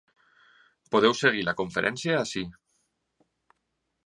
Podeu seguir la conferència ací.